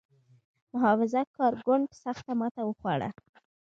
محافظه کار ګوند سخته ماته وخوړه.